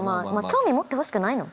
興味持ってほしくないの？